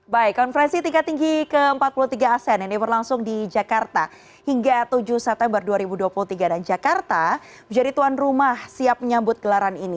baik konferensi tingkat tinggi ke empat puluh tiga asean yang berlangsung di jakarta hingga tujuh september dua ribu dua puluh tiga dan jakarta menjadi tuan rumah siap menyambut gelaran ini